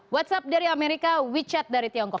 whatsapp dari amerika wechat dari tiongkok